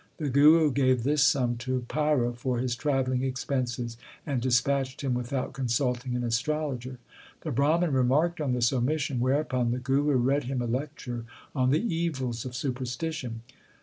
The Guru gave this sum to Paira for his travelling expenses, and dispatched him without consulting an astrologer. The Brahman remarked on this omission, whereupon the Guru read him a lecture on the evils of super stition.